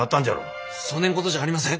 そねんことじゃありません。